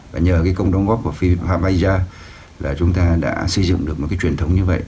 và nhờ cái công đồng góp của favija là chúng ta đã sử dụng được một cái truyền thống như vậy